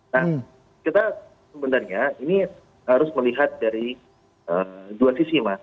nah kita sebenarnya ini harus melihat dari dua sisi mas